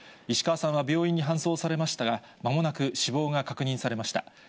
石河さんは病院に搬送されましたが、まもなく死亡が確認されました。